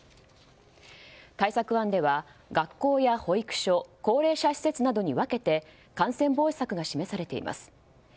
対策案では、学校や保育所高齢者施設などに分けて感染防止策が示されています。